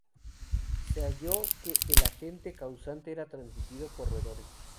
Se halló que el agente causante era transmitido por roedores.